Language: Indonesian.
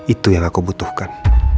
itu yang aku butuhkan